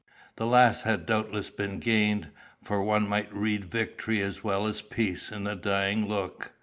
The last had doubtless been gained, for one might read victory as well as peace in the dying look.